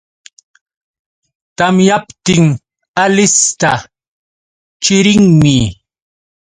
Tamyaptin Alista chirinmi